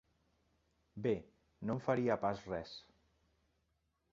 Bé, no em faria pas res!